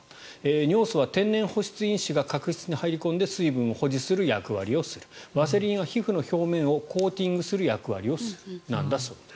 尿素は天然保湿因子が角質に入り込んで水分を保持する役割をするワセリンは皮膚の表面をコーティングする役割ということです。